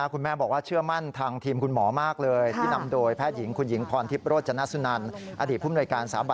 คุณแม่คาดหวังไม่ได้หรอก